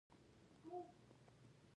زړه مې غوښت چې ږيره مې ژر گڼه سي.